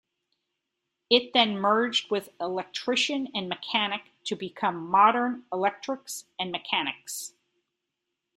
It then merged with "Electrician and Mechanic" to become "Modern Electrics and Mechanics.